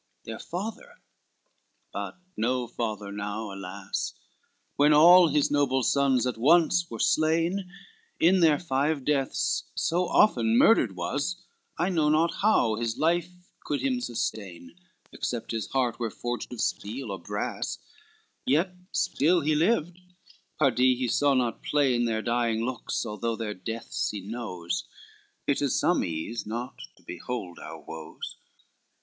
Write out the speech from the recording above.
XXXV Their father, but no father now, alas! When all his noble sons at once were slain, In their five deaths so often murdered was, I know not how his life could him sustain, Except his heart were forged of steel or brass, Yet still he lived, pardie, he saw not plain Their dying looks, although their deaths he knows, It is some ease not to behold our woes.